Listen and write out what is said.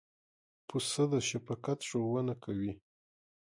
پسه د شفقت ښوونه کوي.